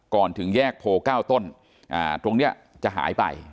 ก่อนถึงแยกโพลเก้าต้นอ่าตรงเนี้ยจะหายไป